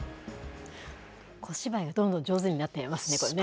小芝居がどんどん上手になっていますね、これね。